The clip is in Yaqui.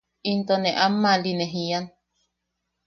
Into ne amma’ali ne jian.